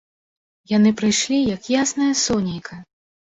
Яны прыйшлі, як яснае сонейка.